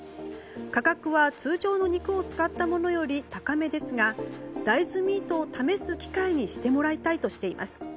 価格は、通常の肉を使ったものより高めですが大豆ミートを試す機会にしてもらいたいとしています。